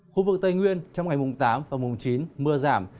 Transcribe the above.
khu vực tây nguyên trong ngày mùng tám và mùng chín mưa giảm